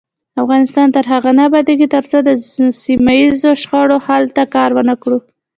افغانستان تر هغو نه ابادیږي، ترڅو د سیمه ییزو شخړو حل ته کار ونکړو.